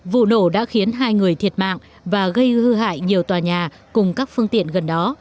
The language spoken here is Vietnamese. vụ nổ đã khiến hai người thiệt mạng và gây hư hại nhiều tòa nhà cùng các phương tiện gần đó